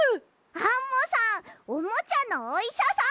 アンモさんおもちゃのおいしゃさんみたい！